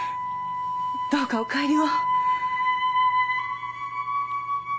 どうかお帰りを。